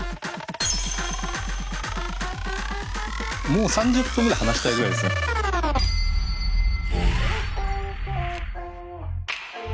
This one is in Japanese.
もう３０分ぐらい話したいぐらいですね。